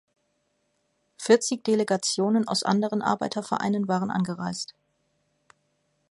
Vierzig Delegationen aus anderen Arbeitervereinen waren angereist.